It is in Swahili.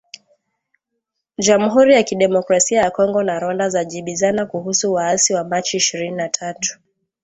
Jamuhuri ya Kidemokrasia ya Kongo na Rwanda zajibiana kuhusu waasi wa Machi ishirini na tatu